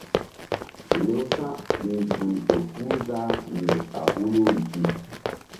Lewsa̧ nzukri ƴo puh zah nzuk a huluri pi.